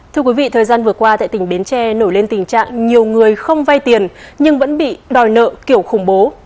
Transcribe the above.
thưa quý vị thời gian vừa qua tại tỉnh bến tre nổi lên tình trạng nhiều người không vay tiền nhưng vẫn bị đòi nợ kiểu khủng bố